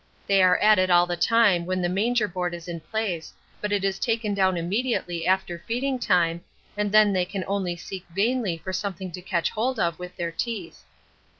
They are at it all the time when the manger board is in place, but it is taken down immediately after feeding time, and then they can only seek vainly for something to catch hold of with their teeth.